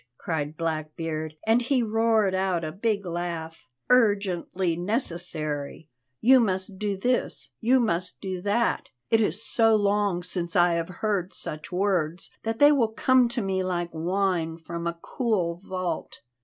cried Blackbeard, and he roared out a big laugh. "'Urgently necessary' you must do this, you must do that. It is so long since I have heard such words that they come to me like wine from a cool vault."